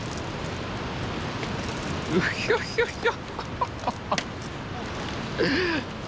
うひょひょひょ。